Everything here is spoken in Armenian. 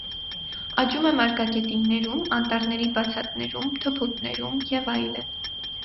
Աճում է մարգագետիններում, անտառների բացատներում, թփուտներում և այլն։